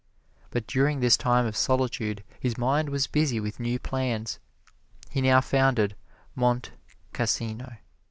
But during this time of solitude his mind was busy with new plans. He now founded Monte Cassino.